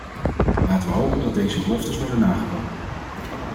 Laten we hopen dat deze beloftes worden nagekomen.